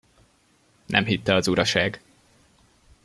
Nem hitte az uraság.